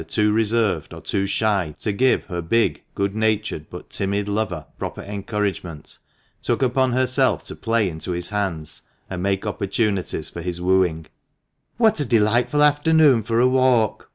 too reserved or too shy to give her big, good natured, but timid lover proper encouragement, took upon herself to play into his hands and make opportunities for his wooing. "What a delightful afternoon for a walk!"